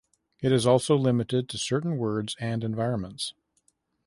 It is also limited to certain words and environments.